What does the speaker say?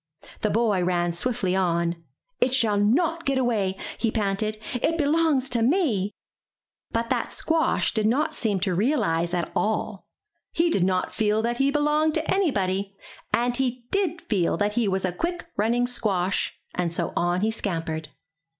The boy ran swiftly on. *'It shall not get away," he panted. It be longs to me." But that the squash did not seem to realize at all. He did not feel that he belonged to anybody, 205 MY BOOK HOUSE and he did feel that he was a quick running squash, and so on he scampered.